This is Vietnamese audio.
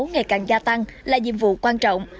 ngày càng gia tăng là nhiệm vụ quan trọng